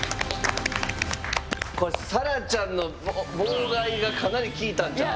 これさらちゃんの妨害がかなり効いたんちゃう？